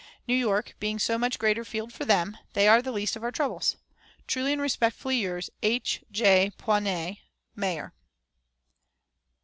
"New York being so much greater field for them, they are the least of our troubles. Truly and respectfully yours, "H. J. POINIER, Mayor."